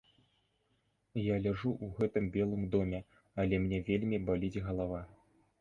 Я ляжу ў гэтым белым доме, але мне вельмі баліць галава.